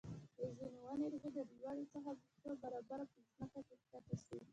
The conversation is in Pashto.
د ځینو ونو ریښې د لوړوالي څو برابره په ځمکه کې ښکته ځي.